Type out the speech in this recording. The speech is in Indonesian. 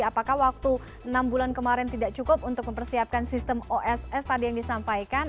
apakah waktu enam bulan kemarin tidak cukup untuk mempersiapkan sistem oss tadi yang disampaikan